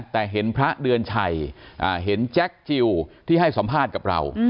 แต่เห็นพระเดือนชัยเห็นแจ็คจิลที่ให้สัมภาษณ์กับเรา